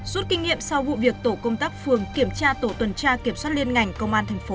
suốt kinh nghiệm sau vụ việc tổ công tác phường kiểm tra tổ tuần tra kiểm soát liên ngành công an thành phố